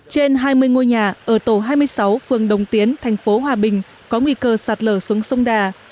trên hai mươi ngôi nhà ở tổ hai mươi sáu phường đồng tiến thành phố hòa bình có nguy cơ sạt lở xuống sông đà